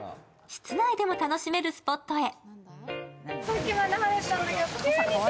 室内でも楽しめるスポットへ。